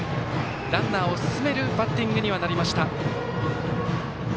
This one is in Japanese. ランナーを進めるバッティングにはなりました。